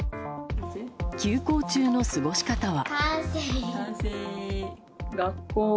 休校中の過ごし方は。